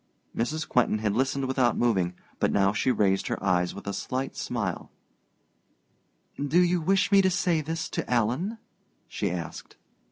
Mrs. Quentin had listened without moving; but now she raised her eyes with a slight smile. "Do you wish me to say this to Alan?" she asked.